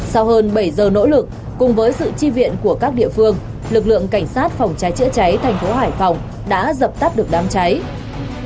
sau hơn bảy giờ nỗ lực cùng với sự chi viện của các địa phương lực lượng cảnh sát phòng cháy chữa cháy thành phố hải phòng đã dập tắt được đám cháy